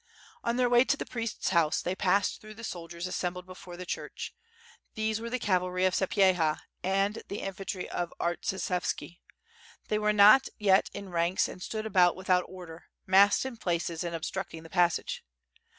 On their way to the priest's house, they passed through the soldiers assembled before the church. These were the cavalry of Sapieha and the infantry of Artsishevski. They were not yet in ranks and stood abou! without order, massed in places and obstructing the passage.